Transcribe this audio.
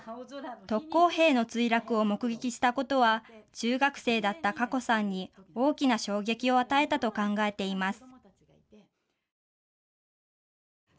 特攻兵の墜落を目撃したことは中学生だったかこさんに大きな衝撃を与えたと考えています。